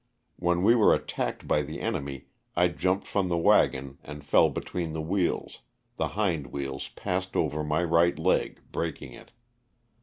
When we were attacked by the enemy I jumped from the wagon and fell between the wheels, the hind wheels passed over my right leg, breaking it.